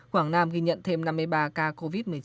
quảng nam ghi nhận thêm năm mươi ba ca covid một mươi chín